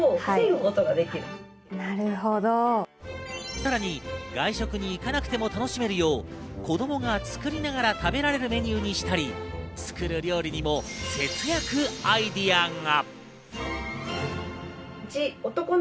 さらに、外食に行かなくても楽しめるよう、子供が作りながら食べられるメニューにしたり、作る料理にも節約アイデアが。